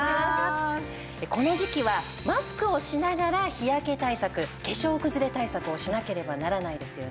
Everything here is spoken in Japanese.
この時季はマスクをしながら日焼け対策化粧くずれ対策をしなければならないですよね。